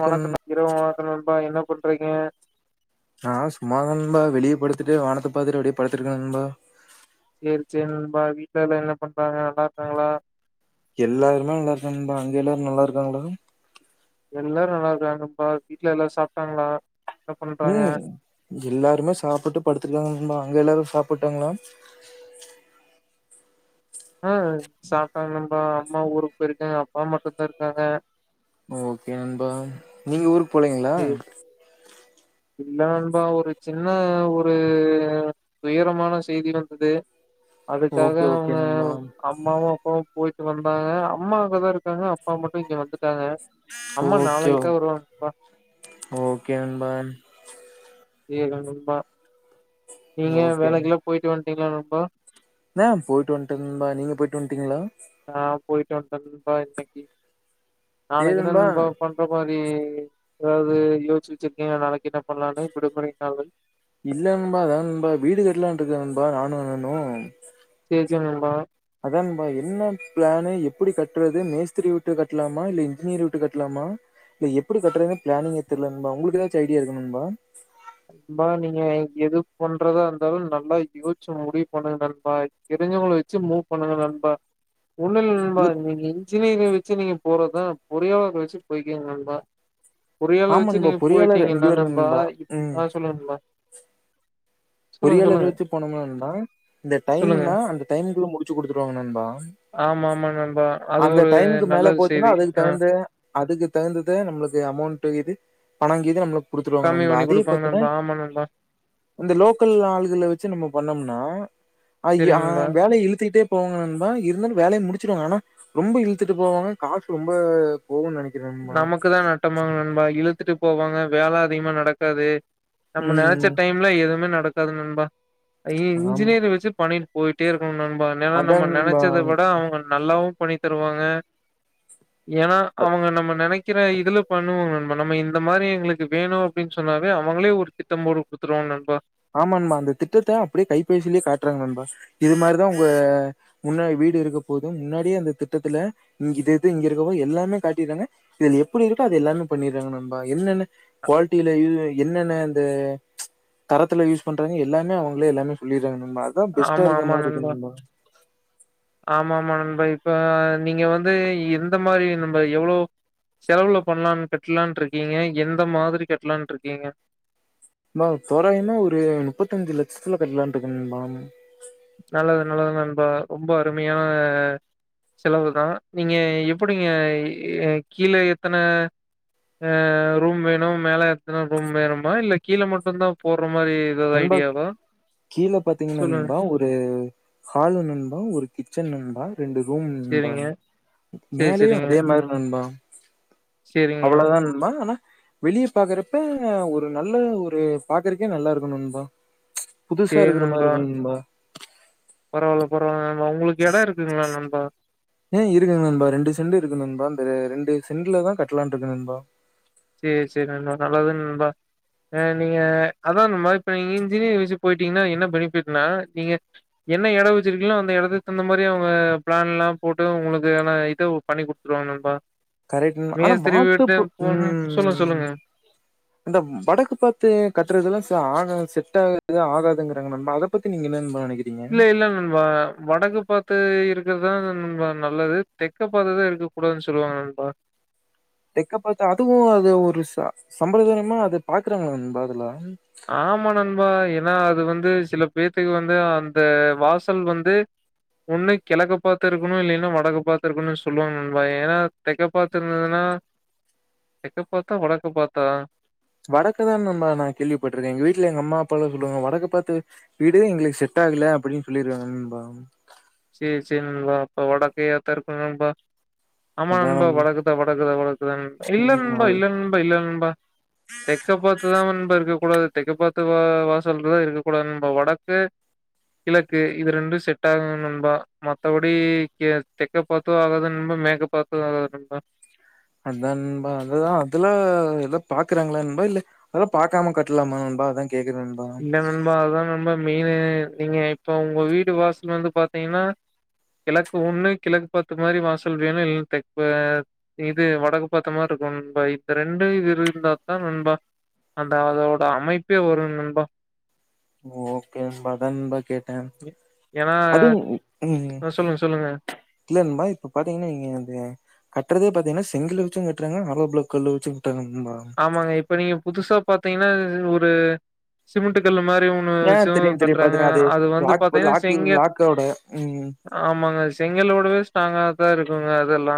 வணக்கம் இரவு வணக்கோ நான்பா என்ன போட்டுறீங்க ஆஹ் சும்மா தா நன்பா வெளியே படுத்துட்டு வானத்த பாத்துட்டு அப்டியோ படுத்துருக்க நன்பா செரி செரி நண்பா வீட்டல எல்லா என்ன பண்றாங்க நல்லா இருக்காங்களா எல்லாருமே நல்லா இருக்காங்க நண்பா அங்க எல்லாரு நல்லா இருக்காங்களா எல்லாரு நல்லா இருக்காங்க பா வீட்ல எல்லாரு சாப்டாங்களா உம் எல்லாருமே சாப்பிட்டு படுத்திருக்காங்க அங்க எல்லாரும் சாப்டாங்களா ஆஹ் சாப்ட்டாங்க நம்பா அம்மா ஊருக்கு போயிருக்காங்க அப்பா மட்டும்தான் இருக்காங்க ஓகே நண்பா நீங்க உருக் போலீங்களா சேரி இல்ல நன்பா ஒரு சின்ன ஒரு துயரமான செய்தி வந்தது அதுக்காக ஓகே ஓகே அவங்க நண்பா அம்மாவு அப்பவு போயிட்டு வந்தாங்க அம்மா அங்கதா இருக்காங்க அப்பா மட்டு இங்க வந்துட் டாங்க அம்மா ஓகே நாளைக்குதா வருவாங்கப்பா ஓகே நண்பா [unintelligible] நீங்க வேலக்கெல்லா போயிட்டு வந்து [unintelligible] நண்பா ந போயிட்டு வன்ட நன்பா நீங்க போயிட்டு வன்டிங்களா ஆஹ் போயிட்டு வன்ட நண்பா இன்னகி சேரி நாளைக்கு தா நண்பா நன்பா [unintelligible] உம் எதாது யோசி வச்சிருக்க நாளைக்கு என்ன பண்ணலான்னு விடுமுறைநாள்னு இல்ல நன்பா அதாது நன்பா வீடு கட்லா இருக்க நானு அருலு [unintelligible] நன்பா அதா நன்பா என்ன பிளானு எப்படி கட்டுறது மேஸ்திரி விட்டு கட்டலாமா இல்ல இன்ஜினியரிங் விட்டு கட்டலாமா இல்ல எப்படி கட்டுறதுன்னு பிளானிங்கே தெரியலண்பா உங்களுக்கு ஏதாச்சு ஐடியா இருக்காநண்பா நண்பா நீங்க எது பண்றதா இருந்தாலு நல்லா யோசிச்சி முடிவு பண்ணுங்க நண்பா தெரிஞ்சவகல வச்சு மூவ் பண்ணுங்க நண்பா ஒண்ணில்ல நண்பா ம். நீங்க இஜ்ஜினியரிங் வச் சுவியர் போறதா பொரியாளர் வச்சு போய்கங் நண்பா பொரியாளர் வச்சு ஆமாண்பா நீங்க பொறியாளர் இங்க போயிட்டீங்கன்ன நண்பா வரும்பா ம் ஆஹ் சொல்லு நண்பா சொல்லுங்க பொறியாளர் சொல்லுங்க வச்சு போனோம்னா ண்பா இந்த சொல்லுங்க டைம்னா அந்த டைமுகுள்ள முடிச்சு குடுத்துருவாங்க நண்பா ஆமா ஆமா நண்பா அது அந்த ஒரு டைமுக்கு நல்ல மேல போச்சுன்னா செய்தி அதுக்கு ஆ தகுந்த அதுக்கு தகுந்தது நம்மளுக்கு அமௌண்ட் இது பனங்கி நம்ம கொடுத்துருவங்க கம்மி நண்பா பண்ணி அதே குடுப்பாங்க பத்தன நண்பா ஆமா நண்பா அந்த லோக்கல் ஆள்கள வச்சு நம்ம பண்ண நா ஐய சரி அ நண்பா வேலைய இழுத்துகிட்டேப் போங்க நண்பா இருந்தாலு வேலைய முடிச்சுறுவாங்க அனா ரொம்ப இழுத்துட்டு போவாங்க காசு ரொம்ப போகும்னு நெனைக்கிறேன் நண்பா. நமக்கு தா நட்டமாகு நண்பா இழுத் திட்டு போவாங்க வேல அதிகமா நடக்காது நம்ம நெனைச்ச ம். டைம்ல எதுமே நடக் பத்தாது நண்பா ஐய்ய ஆமா. இன்ஜினியர வச்சு பண்ணிர் போய்ட்டே இருக்கணூ நண் ப நென அதான் நம்ம நண்பா. நெனைச்சத விட அவங்க நல்லாவு பொண்ணி தருவாங்க ஏன்னா அத் அவங்க நம் நெனைக்கிற இதுல பண்ணுவாங்க நண்பா நம்ம இந்த மாரி எங்ளுக்கு வேணூ அப்டின்னு சொன்னாவே அவங்களே ஒரு திட்டம் போட்டு குடுத்துருவாங்க நண்பா ஆமாம்பா அந்த திட்டத்த அப்டியே கைப்பேசிலே காட்டுறாங்க நண்பா இது மாரிதா உங்க முன்னா வீடு இருக்க போது முன்னாடியே அந்த திட்டத்தில இங்க இது இது இங்க இருக்கப்போ எல்லாமே காட்டிட்றாங்க இதுல எப்டி இருக்கோ அது எல்லாமே பண்ணிற்றாங்க நம்பா என்னன்ன குவால்டீல இல்லை என்னன்ன அந்த தரத்துல யூஸ் பண்றாங்க எல்லாமே அவங்ளே எல்லாமே சொல்லிற்றாங்க ஆமா ஆமா நண்பா ஆமா ஆமா நண் இப்ப இப்ப நீங்க வந்து எந்த மாரி நம்ப எவ்ளோ செலவுல பண்ணலான்ட் கட்டலான்ட்ருக்கீங்க எந்த மாதிரி கெட்லான்ட்ருக்கீங்க நொவ் தோராயமா ஒரு முப்பத்தஞ்சு லட்சத்தில கட்டலான்ட்டுக்க நண்பாம் நல்லது நல்லது நண்பா ரொம்ப அருமையான செலவு தா நீங்க எப்படிங்க கீழ எத்தன அ ரூம் வேணு மேல எத்தன ரூம் வேணுமா இல்ல கீழ மட்டு தா போட்றம் நண்பாக் கீழே பாத்தீங்கன்னா சொல்லுங்க நண்பா ஒரு ஹாலு நண்பா ஒரு கிச்சன் நண்பா ரெண்டு ரூம் ண்பா சேரிங்க சேரி மேலயு சேரிங்க அதே மாரி நண்பா சேரிங்க அவ்ளோதா நண்பா ஆனா வெளிய பாக்குறப்ப ஒரு நல்ல ஒரு பாக்றக்கே நல்லா இருக் கு நம்பா புதுசா சேரி இருக்ற மாரி நண்பா இருக்கனு ம்பா பரவால்ல பரவால்ல நண் வா உங்ளுக்கு எடோ இருக்குங்களா நண்பா ம் இருக்கு நண்பா ரெண்டு செண்டு இருக்கு நண்பா இந்த ரெண்டு செண்ட்லதா கட்டலான்ட்ருக்க நண்பா சேரி சேரி நண்பா நல்லது ம்பா ம் நீங்க அதா நாமா இப்ப நீங்க இன்ஜினியர் வச்சு போயிட்டீங்கன்னா என்ன பெனிஃபிட்னா நீங்க என்ன எடோ வச்சிருக்கீங்களோ அந்த எடத்திக்கு தகுந்த மாரி அவங்க பிளான்ல்லா போட்டு உங்ளுக்கு ஆனா இதோ பண்ணி குடுத்துருவாங்க நண்பா கரெட்ன் ஆனா மேஸ்திரி வீட்ட மாத்தப்பு போனு உம் சொல்லுங்க ம் சொல்லுங்க இந்த வடக்கு பாத்து கத்துறதெல்லா ஸ் ஆகாது செட் ட எது ஆகாதுங்றாங்க நம் அத பத்தி நீங்க என்ன நனைக் இல்ல இல்ல நண்பா வடக்கு பாத்து இருக் இருக்கறதா நண்பா நல்லது தெக்க பாத்துதா இருக்க கூடாதுன்னு சொல்லுவாங்க நண்பா தெக்க பாத்த அதுவு அது ஒரு ச சம்பிரதாயமா அது பாக்குறாங்களா நண்பா அதலா ஆமா நண்பா ஏன்னா அது வந்து சில பேத்துக்கு வந்து அந்த வாசல் வந்து ஒண்ணு கெழக்க பாத்து இருக்கணு இல்லேனா வடக்க பாத்து இருக்கணு சொல்லுவாங்க நண்பா ஏன்னா தெக்க பாத்து இருந்ததுன்னா தெக்க பாத்தா வடக்க பாத்தா வடக்கதா நண்பா நா கேள்விப்பட்டிருக்கே எங்க வீட்டுல எங்க அம்மா அப்பால்லா சொல்லுவாங்க வடக்க பாத்து வீடுதா எங்களுக்கு செட் ஆகல அப்டின்னு சொல்லிருவாங்க நண்பா சேரி சேரி நண்பா அப்ப வடக்கையாதா இருக்கு நண்பா ஆமா அதா நண்பா வடக்குத்தா வடக்குதா வடக்குதா நண்பா இல்ல ம் நண்பா அது இல்ல நண்பா இல்ல நண் தெக்க பாத்துதா நண்பா இருக்கக்கூடாது தெக்க பாத்த வாசல்தா இருக்கக்கூடாது நண்பா வடக்கு கிழக்கு இது ரெண்டு செட் ஆகு நண்பா பா மத்தபடிக்க தெக்க பாத்து ஆகாது நண்பா மேக்க பாத்து ஆகாது நண்பா அதா நண்பா அதுதா அதுல ஏதோ பாக்குறாங்களா நண்பா இல்ல பாக்காம கட்டலாமா நண்பா அதா கேக்குறே நண்பா இல்ல நண்பா அதுதா நண்பா மெயினு நீங்க இப்போ உங்க வீடு வாசல் வந்து பாத்தீங்கன்னா கிழக்கு ஒன்னு கிழக்கு பாத்த மாரி வாசல் வேணு இல்லைன்ன தெப்ப இது வடக்கு பாத்த மாரி இருக்கும் நண்பா இந்த ரெண்டு இது இருந்தா தாநண்பா அந்த அதோட அமைப்பே வரும் நண்பா ஓகே நண்பா அதா நண்பா கேட்டே ஏன்னா அதுவு [unintelligible] சொல்லுங்க சொல்லுங்க இல்ல நண்பா‌ இப்ப பாத்தீங்கன்னா நீங்க அ கட்றதே பாத்தீங்கன்னா செங்கலு வச்சு கட்டுறாங்க ஆளாபிலாக் கல்லு வச்சு ஆமாங்க இப்ப நீங்க புதுசா பாத்தீங்கன்னா இது ஒரு சிமெண்ட் கல்ல மாரி ஒண்ணு ஆ விச்சு தெரியும் தெரியும் கட்றாங்க பாத்துருக்கேன் அது வந்து லாக் பாத்தீங்கன்னா லாக் செங்கல் லாக்கோட ம் ஆமாங்க செங்கலவுடவே ஸ்ட்ராங்கா [unintelligible] இருக்குங்க அதெல்லா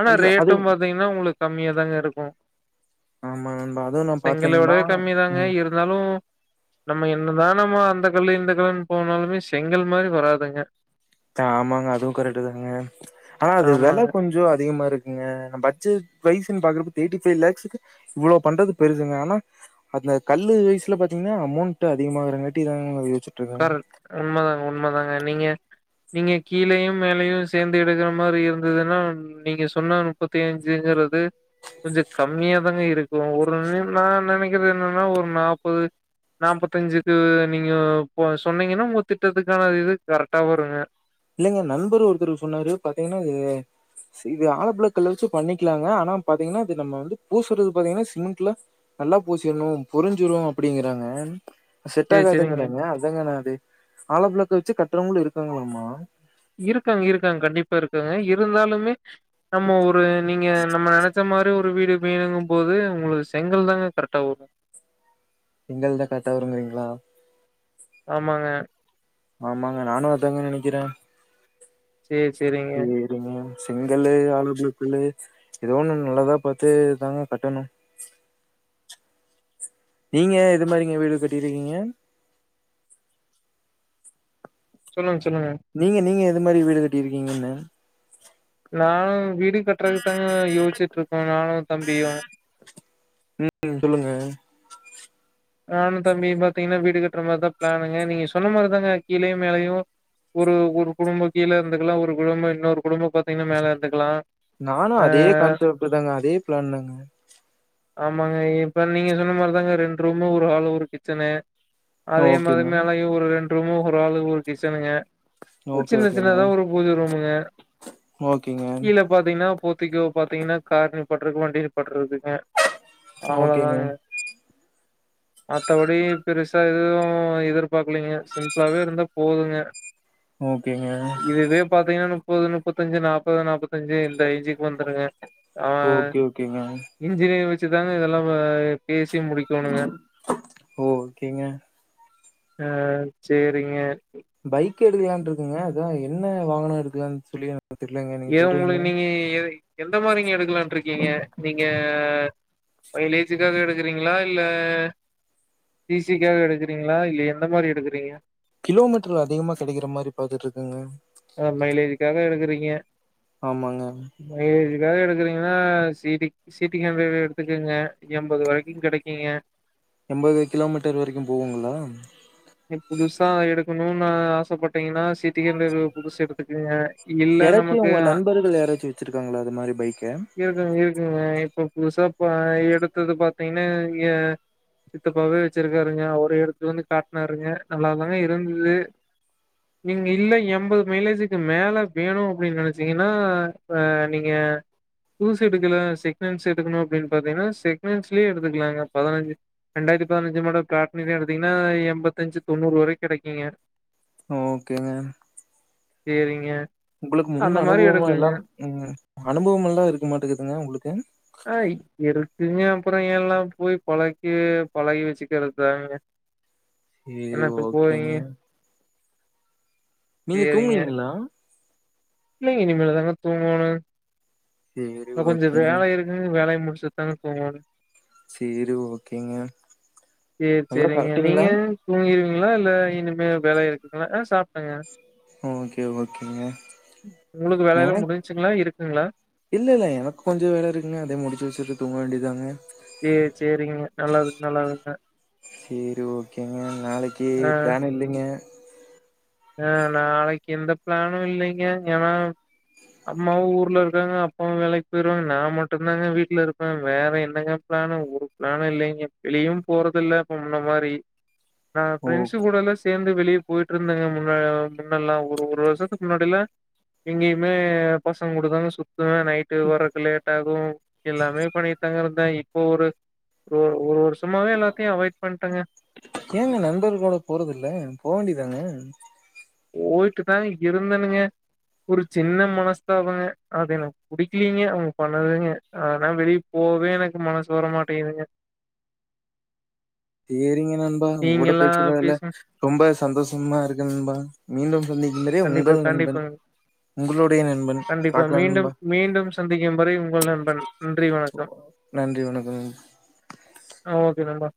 ஆனா இல்ல அது ரேட்டும் பாத்தீங்கன்னா உங்களுக் கம்மியா தாங்க இருக்கும் ஆமா நண்பா அதுவும் நா பாத்தெ நண்பா செங்கலோடவே கம்மி தாங்க. இருந்தாலும் நம்ம என்னதா நம்ம அந்த கல்லு இந்த கல்லுனு போனாலுமே செங்கல் மாரி வராதுங்க ஆமாங்க அதுவும் கரெக்ட்டு தாங்க ஆனா அது வெல ஆமாங்க. கொஞ்சோ அதிகமா இருக்குங்க பட்ஜெட் ஃவைஸ் பாக்குறப்ப எயிட்டி ஃபைவ் லாக்ஸ் இவ்ளோ பண்றது பெருசுங்க ஆனா அந்த கல்லு வைஸ்ல பாத்தீங்கன்னா அமௌன்ட் அதிகமாகரங்காட்டி [unintelligible] காரர் உண்மதாங். உண்மைதாங்க நீங்க நீங்க கீழேயும் மேலையும் சேந்து எடுக்குற மாரி இருந்ததுன்னா நீங்க சொன்ன முப்பத்தி அஞ்சுங்கிறது கொஞ்ச கம்மியா தாங்க இருக்கும் ஒரு நிம் நா நெனக்கிறது என்னன்னா ஒரு நாற்பது நாப்பத்தஞ்சுக்கு நீங்க. ப்போ சொன்னீங்கன்னா உங்க திட்டத்துக்கான இது கரெக்டா வருங்க. இல்லேங்க நண்பர் ஒருத்தர்க்கு சொன்னாரு பாத்தீங்கன்னா இது இது ஆலம்பிழாக் கல்ல வச்சு பண்ணிக்கலாங்க ஆனா பாத்தீங்கன்னா இது நம்ம வந்து பூசுறது பாத்தீங்கன்னா சிமெண்ட்ல நல்லா பூசிடணு பொரிஞ்சுரு அப்புடிங்கிறாங்க. செட் சரி, சரிங்க. ஆகாதுங்கிறாங்க அதங்கனா அது ஆளம்பிளாக்க வச் ச்சு கட்டறவங்கலு இருக்காங்களாம்மா. இருக்காங்க இருக்காங்க கண்டிப்பா இருக்காங்க இருந்தாலுமே. நம்ம ஒரு நீங்க நம்ம நெனச்ச மாரி ஒரு. ங்க வீடு வேணுங்கும் போது உங்களது செங்கல் தாங்க கரெக்டா வரு செங்கல்தா கரெக்டா வருங்குறீங்களா. ஆமாங்க. ஆமாங்க நானு அதாங்க நெனக்கிறே சேர் செரிங்க செங்கல்லு ஆலோப்ளாக் கல்லு எதோ ஒன்னு நல்லதா பாத்து தாங்க கட்டணு நீங்க எது மாரிங்க வீடு கட்டிருக்கீங்க சொல்லுங் நீங்க நீங்க எது மாரி வீடு கட்டிருக்கீங்கண்ண நா வீ டு கட்டறதுக் தாங்க யோசிச்சுட்டு இருக்க நானு தம்பியு ம் சொல்லுங்க. நானு தம்பியு பாத்தீங்கனா வீடு கட்ற மாரி தா பிளானுங்க நீங்க சொன்ன மாரி தாங்க கீழயு மேலயு ஒரு ஒரு குடும்போ கீழ இருந்துக்கலா ஒரு குடும்போ இன்னோரு குடும்போ பாத்தீங்கனா மேல இருந்துக்கலா நானு அதே கான்சப்ட்டு தாங்க அதே பிளான் தாங்க. ஆமாங்க இப்ப நீங்க சொன்ன மாரி தாங்க ரெண் ரூமு ஒரு ஹாலு ஒரு கிச்சனு ஆ அதே மாரி ஓகேங்க. மேலயு ஒரு ரெண் ரூமு ஒரு ஹாலு ஒரு கிச்சனுங்க ஒர் ஓகே சின்ன ஓகேங்க சின்னதா ஒரு பூஜ ரூமுங்க. ஓகேங்க [inaudible] கீழ பாத்தீங்கனா போர்த்திக்கோ பாத்தீங்கனா கார் நிப் பாட்ருக்கு வண்டி நிப்பாட்ருக்குங்க. ஓகேங்க அவ்வளதாங்க மத்தபடி பெருசா எதுவு எதிர்பாக்கலீங்க சிம்பிளாவே இருந்தா போதுங்க ஓகேங்க இதுவே பாத்தீங்கனா முப்பது முப்பத்தஞ்சு நாப்பது நாப்பத்தஞ்சு இந்த ரேஞ்சுக் வந்துருங்க அவ ஓகே ஓகேங்க இஞ்சினியர் வெச் ச்சு தாங்க இதெல்லா வ, பேசி முடிக்கோணுங்க ஓகேங்க அஹ் சேரிங்க பை க்கெடுக்கலான்ருக்கங்க அதா எ என்ன வாகனோ எடுக்கலான் சொல்லி எனக்கு தெர்லங்க நீங்க ஏ சொல்றீங்களா உங்களுக்கு நீங்க எ, எந்த மாரிங்க எடுக்கலான்ருக்கீங்க நீங்க அ, மைலேஜுக்காக எடுக்கறீங்களா இல்ல சிசிக்காக எடுக்கறீங்களா இல்ல எந்த மாரி எடுக்கறீங்க கிலோமீட்டரு அதிகமா கெடைக்கற மாரி பாத்துட்ருக்கங்க ஏ ஆமாங்க வேற எடுக்குறீங்கன்னா சீ டி சீ பி ங்காவவே எடுத்துக்கங்க எண்பது வரைக்கு கெடைக்கும்ங்க எண்பது கிலோமீட்டர் வரைக்கு போகுங்களா புதுசா எடுக்கணும்னு ஆசைப்பட்டீங்கன்னா சிட்டி [unintelligible] புதுசு எடுத்துக்குங்க இல்ல யாராச்சு நமக்கு உங்க நண்பர்கள் யாராச்சு வச்சிருக்காங்களா அது மாரி பைக்க இருக்குங்க இருக்குங்க இப்ப புதுசா எடுத்தது பாத்தீங்கன்னா எ சித்தப்பாவே வச்சிருக்காருங்க அவரு எடுத்து வந்து காட் னாருங்க நல்லா தாங்க இருந்தது நீங்க இல்லை எண்பது மைலேஜுக்கு மேலே வேணு அப்படின்னு நினைச்சீங்கன்னா ஆ நீங்க புதுசு எடுக்கலா செகண்ட்ஸ் எடுக்கணு அப்படின்னு பாத்தீங்கன்னா செக்ஹண்ட்ஸ்லயே எடுத்துக்கலாங்க பதினஞ்சு ரெண்டாயிரத்து பதினஞ்சு மேட பட்னில எடுத்தீங்கன்னா எ முப்பத்தஞ்சு தொண்ணூறு வர கெடைக்குங்க ஓகேங்க சேரிங்க உங்களுக்கு முன் அந்த மாரி அனுபவமா எல்லா எடுக்குங்க உம் அனுபவமெல்லா இருக்குமாட்டங்கதுங்க உங்களுக்கு அப்பற எல்லா போய் பழக்கி பழகி வச்சுக்கறதாங்க சேரி ஓகேங்க நீங்க தூங்கலீங்களா இல்லங்க இனிமேல தாங்க தூங்கோனு சேரி கொஞ்ச ஓகேங்க வேலை இருக்கு வேலய மு செத்தாங்க போங்க சேரி ஓகேங்க நல்லா சாப்ட்டீங்களா இல்ல இல்ல இனிமே வேலை இருக்குங்களா ஆ சாப்ட்டாங்க ஓகே ஓகேங்க உங்களுக்கு வேலையெல்லா எனக் முடிஞ்சுங்களா? இருக்குங்களா? இல்ல இல்ல எனக்கு கொஞ்ச வேலை இருக்குங்க அத முடிச்சு வச்சுட்டு தூங்க வேண்டியதாங்க சேரி சேரிங்க நல்லது நல்லாங்க சேரி ஓகேங்க நாளைக்கு பிளான் இல்லைங்க ஆஹ் நாளைக்கு எந்த பிளானு இல்லைங்க ஏன்னா அம்மாவு ஊர்ல இருக்காங்க அப்பாவு வேலைக்கு போயிருவாங்க நா மட்டுந்தாங்க வீட்டுல இருப்பே வேற என்னங்க பிளானு ஒரு பிளானு இல்லைங்க வெளியு போறதல்ல இப்ப முன்ன மாதிரி நா ஓ ப்ரெண்ட்ஸ் கூடல்லா சேந்து வெளியே போயிட்டு இருந்தேங்க மு ன்ன முன்னல்லா ஒரு ஒரு வருஷத்துக்கு முன்னாடில்லா எங்கயுமே பசங்க கூடதா சுத்துவே நைட்டு வர்றக்கு லேட் ஆகு எல்லாமே பண்ணிட்டு தாங்க இருந்தே இப்ப ஒரு ஒ ஒரு வருஷமாவே எல்லாத்தையுமே அவாய்ட் பண்டேங்க ஏங்க நண்பர்கள் கூட போறதல்ல போ வேண்டிதான போயிட்டுதா இருந்தனுங்க ஒரு சின்ன மனஸ்தா அது எனக்கு படிக்கலீங்க அவங்க பண்ணதுங்க ஆனா வெளியே போவே எனக்கு மனசு வரமாட்டிங்துங்க சேரிங்க நண்பா உங்க கூட பேச்சுனதுல பேசுங்க ரொம்ப சந்தோசமா இருக்கு நண்பா மீண்டும் சந்திக்கும் வரை கண்டிப்பா உங்கள் நண்பன், கண்டிப்பாங் உங்களுடைய நண்பன். கண்டிப்பா பாக்கலாம் மீண்டும் நண்பா. மீண்டும் சந்திக்கும் வரை உங்கள் நண்பன் நன்றி வணக்கம் நன்றி, வணக்கம் நண் ஓ [unintelligible] நண்பா